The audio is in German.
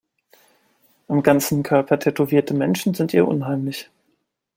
Am ganzen Körper tätowierte Menschen sind ihr unheimlich.